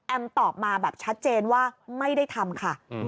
ตอบมาแบบชัดเจนว่าไม่ได้ทำค่ะ